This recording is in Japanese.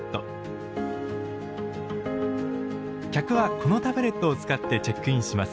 客はこのタブレットを使ってチェックインします。